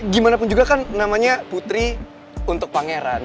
gimanapun juga kan namanya putri untuk pangeran